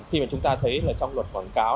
khi mà chúng ta thấy là trong luật quảng cáo